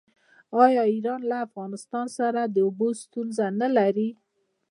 آیا ایران له افغانستان سره د اوبو ستونزه نلري؟